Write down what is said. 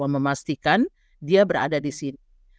memastikan dia berada di sini